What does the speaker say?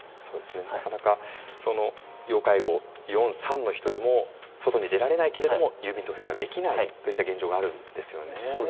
なかなか要介護４、３の人でも外に出られないけれども郵便局に赴けない現状があるんですよね。